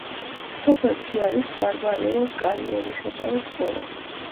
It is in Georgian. სოფელში არის მარმარილოს კარიერი, საჯარო სკოლა.